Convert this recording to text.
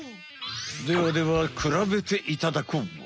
ではではくらべていただこう。